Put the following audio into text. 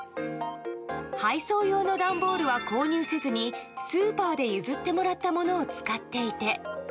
配送用の段ボールは購入せずにスーパーで譲ってもらったものを使っていて。